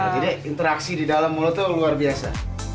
jadi interaksi di dalam mulutnya luar biasa